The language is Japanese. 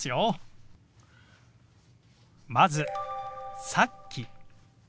まず「さっき」。